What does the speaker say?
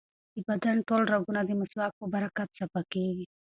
د بدن ټول رګونه د مسواک په برکت صفا کېږي.